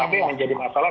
tapi yang menjadi masalah